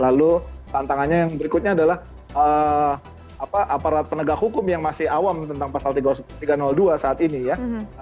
lalu tantangannya yang berikutnya adalah aparat penegak hukum yang masih awam tentang pasal tiga ratus dua saat ini ya